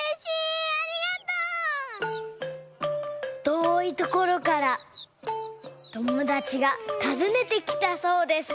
とおいところからともだちがたずねてきたそうです。